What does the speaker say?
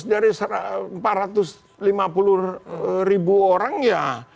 dari empat ratus lima puluh ribu orang ya